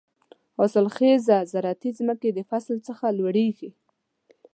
حاصل خېزه زراعتي ځمکې د فصل څخه لوېږي.